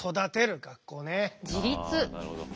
あなるほど。